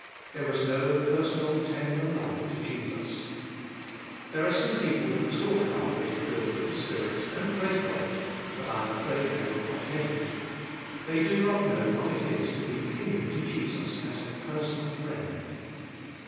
There was no per sonal tender love to Jesus. There are some people who talk about being filled with the Spirit, awX BK fiIvI<e:d with thb spirit. 83 pray for it, but I am afraid tliey will not get it. They do not know what it is to be cling ing to Jesus as a personal friend.